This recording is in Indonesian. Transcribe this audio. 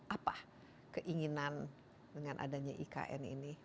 apa keinginan dengan adanya ikn ini